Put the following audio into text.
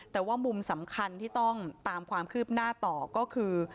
แต่ว่ามุมสำคัญที่ต้องตามความคืบหน้าต่อก็คือ